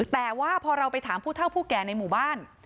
แต่ว่าพอเราไปถามผู้เท่าผู้แก่ในหมู่บ้าน